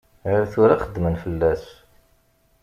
Ar tura xeddmen fell-as.